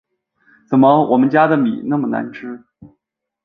怎么我们家的米那么难吃